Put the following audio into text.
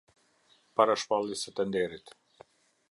Para shpalljes së tenderit.